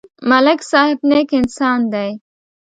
ملک صاحب نېک انسان دی.